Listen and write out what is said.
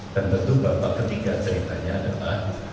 dan tentu bahwa ketiga ceritanya adalah